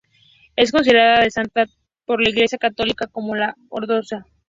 Es considerada santa tanto por la Iglesia católica como por la ortodoxa.